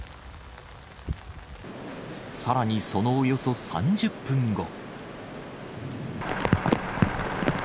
さらにそのおよそ３０分後。